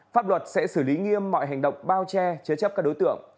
pháp luật sẽ xử lý nghiêm mọi hành động bao che chế chấp các đối tượng